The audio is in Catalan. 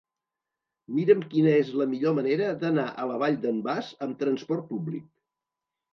Mira'm quina és la millor manera d'anar a la Vall d'en Bas amb trasport públic.